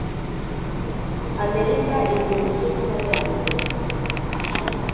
amerika iri mu gice cy’amajyaruguru.